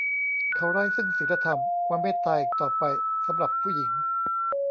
เขาไร้ซึ่งศีลธรรม ความเมตตา อีกต่อไปสำหรับผู้หญิง